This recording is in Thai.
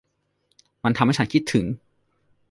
มันทำให้ฉันคิดถึง